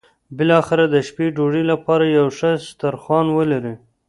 بالاخره د شپې ډوډۍ لپاره یو ښه سترخوان ولري.